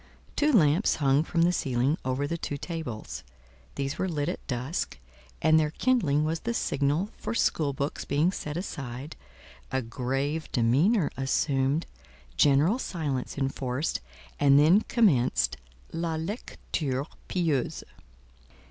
Two lamps hung from the ceiling over the two tables; these were lit at dusk, and their kindling was the signal for school books being set aside, a grave demeanour assumed, general silence enforced, and then commenced "la lecture pieuse."